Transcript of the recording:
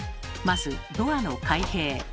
まずドアの開閉。